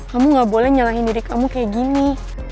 kamu gak boleh nyalahin diri kamu kayak gini